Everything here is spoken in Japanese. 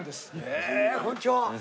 へえこんにちは。